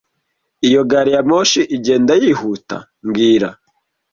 Iyo gari ya moshi igenda yihuta mbwira